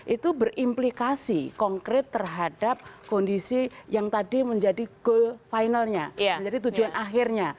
itu berimplikasi konkret terhadap kondisi yang tadi menjadi goal finalnya menjadi tujuan akhirnya